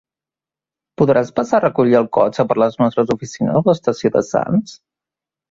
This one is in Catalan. Podràs passar a recollir el cotxe per les nostres oficines de l'estació de Sants.